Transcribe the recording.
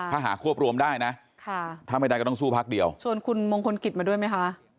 ถ้าหาควบรวมได้นะถ้าไม่ได้ก็ต้องสู้พักเดียวชวนคุณมงคลกิจมาด้วยไหมคะ